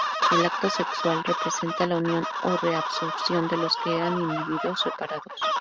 El acto sexual representa la unión o reabsorción de los que eran individuos separados.